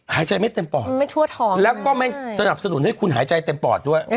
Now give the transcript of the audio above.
หายใจไม่เต็มปอดไม่ทั่วท้องแล้วก็ไม่สนับสนุนให้คุณหายใจเต็มปอดด้วย